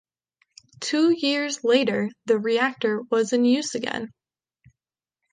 Two years later the reactor was in use again.